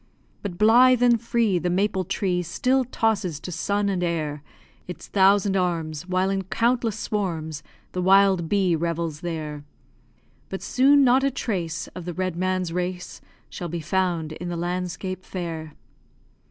But, blythe and free, The maple tree Still tosses to sun and air Its thousand arms, While in countless swarms The wild bee revels there; But soon not a trace Of the red man's race Shall be found in the landscape fair.